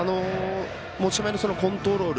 持ち前のコントロール